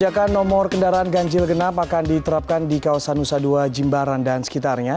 kebijakan nomor kendaraan ganjil genap akan diterapkan di kawasan nusa dua jimbaran dan sekitarnya